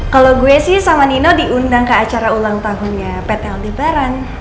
kalo gue sih sama nino diundang ke acara ulang tahunnya pt aldebaran